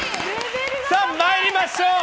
さあ、参りましょう！